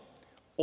お！